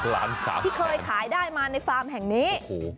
๖ล้าน๓แสนที่เคยขายได้มาในฟาร์มแห่งนี้